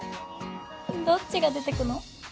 どっちが出てくの？